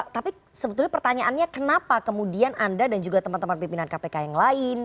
tapi sebetulnya pertanyaannya kenapa kemudian anda dan juga teman teman pimpinan kpk yang lain